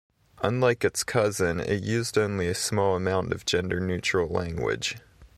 Unlike its cousin, it used only a small amount of gender-neutral language.